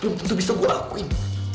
belum tentu bisa gue lakuin